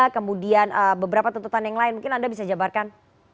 kemudian beberapa tuntutan yang lain mungkin anda bisa jabarkan